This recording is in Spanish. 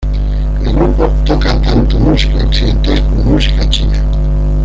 El grupo toca tanto música occidental como música china.